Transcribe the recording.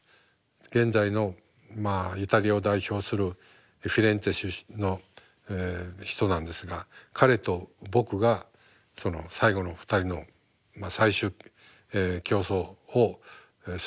現在のイタリアを代表するフィレンツェ出身の人なんですが彼と僕がその最後の２人のまあ最終競争をすることになりました。